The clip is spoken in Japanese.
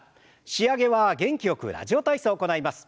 仕上げは元気よく「ラジオ体操」を行います。